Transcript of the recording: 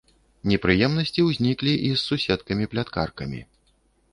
Непрыемнасці ўзніклі і з суседкамі-пляткаркамі.